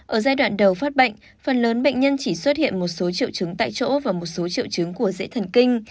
ở giai đoạn đầu phát bệnh phần lớn bệnh nhân chỉ xuất hiện một số triệu chứng tại chỗ và một số triệu chứng của dễ thần kinh